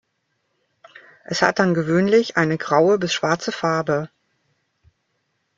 Es hat dann gewöhnlich eine graue bis schwarze Farbe.